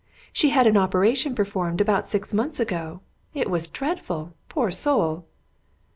"She had an operation performed about six months ago. It was dreadful! Poor soul!"